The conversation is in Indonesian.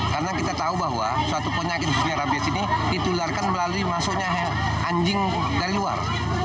karena kita tahu bahwa suatu penyakit secara bias ini ditularkan melalui masuknya anjing dari luar